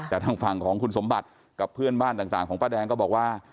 แต่ทางฝั่งของคุณสมบัติกับเพื่อนบ้านต่างของป้าแดงก็บอกว่า